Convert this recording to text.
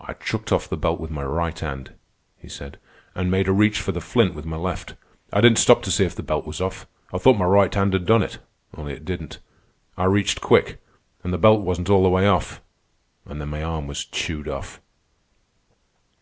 "I chucked off the belt with my right hand," he said, "an' made a reach for the flint with my left. I didn't stop to see if the belt was off. I thought my right hand had done it—only it didn't. I reached quick, and the belt wasn't all the way off. And then my arm was chewed off."